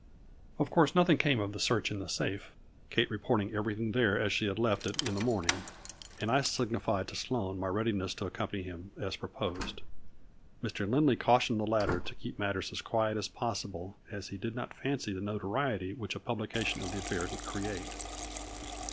Of course nothing came of the search in the safe, Kate reporting everything there as she had left it in the morning, and I signified to Sloane my readiness to accompany him as proposed. Mr. Lindley cautioned the latter to keep matters as quiet as possible, as he did not fancy the notoriety which a publication of the affair would create.